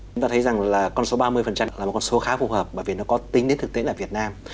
chúng ta thấy rằng là con số ba mươi là một con số khá phù hợp bởi vì nó có tính đến thực tế là việt nam